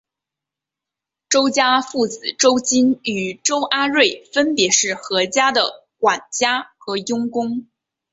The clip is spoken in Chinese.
周家父子周金与周阿瑞分别是何家的管家和佣工。